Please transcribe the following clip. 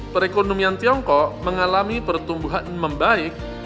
perekonomian tiongkok mengalami pertumbuhan membaik